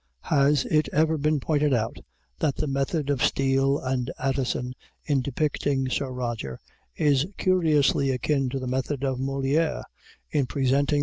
(Has it ever been pointed out that the method of Steele and Addison in depicting Sir Roger is curiously akin to the method of Molière in presenting M.